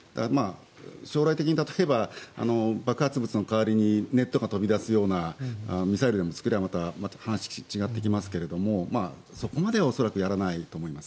将来的に例えば爆発物の代わりにネットが飛び出すようなミサイルでも作ればまた話は違ってきますがそこまでは恐らくやらないと思います。